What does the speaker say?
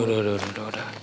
sudah sudah sudah